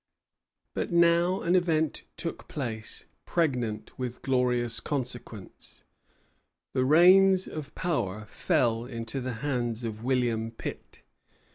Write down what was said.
But now an event took place pregnant with glorious consequence. The reins of power fell into the hands of William Pitt.